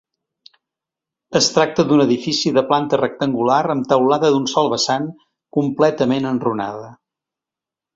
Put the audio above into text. Es tracta d'un edifici de planta rectangular amb teulada d'un sol vessant, completament enrunada.